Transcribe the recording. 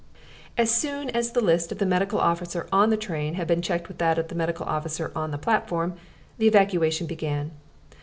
As soon as the list of the Medical Officer on the train had been checked with that of the Medical Officer on the platform, the evacuation began.